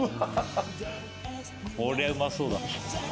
これはうまそうだ